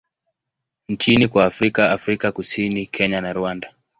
nchini kwa Afrika Afrika Kusini, Kenya na Rwanda.